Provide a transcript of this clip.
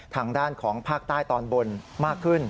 ทางด้านของภาคใต้ตอนบนมากขึ้น